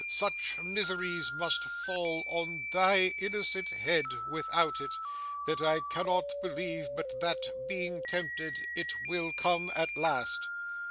Such miseries must fall on thy innocent head without it, that I cannot believe but that, being tempted, it will come at last!